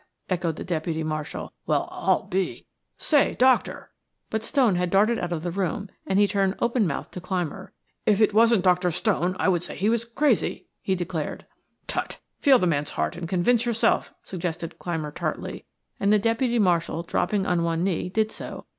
echoed the deputy marshal. "Well, I'll be say, doctor," but Stone had darted out of the room, and he turned open mouthed to Clymer. "If it wasn't Doctor Stone I would say he was crazy," he declared. "Tut! Feel the man's heart and convince yourself," suggested Clymer tartly, and the deputy marshal, dropping on one knee, did so.